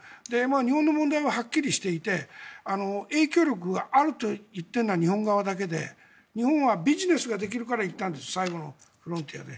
日本の問題ははっきりしていて影響力があると言っているのは日本側だけで日本はビジネスができるから行ったんです最後のフロンティアで。